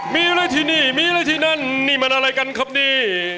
มีอะไรที่นี่มีอะไรที่นั่นนี่มันอะไรกันครับนี่